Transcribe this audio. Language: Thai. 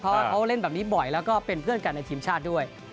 เพราะว่าเขาเล่นแบบนี้บ่อยแล้วก็เป็นเพื่อนกันในทีมชาติด้วย